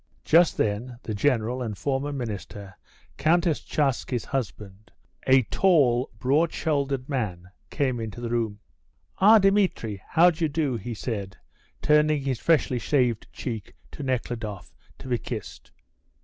Just then the general, and former minister, Countess Tcharsky's husband, a tall, broad shouldered man, came into the room. "Ah, Dmitri, how d'you do?" he said, turning his freshly shaved cheek to Nekhludoff to be kissed.